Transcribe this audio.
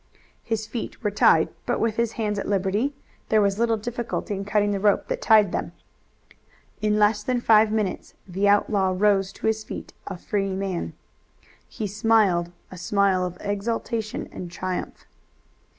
His feet were tied, but with his hands at liberty there was little difficulty in cutting the rope that tied them. In less than five minutes the outlaw rose to his feet a free man. He smiled a smile of exultation and triumph.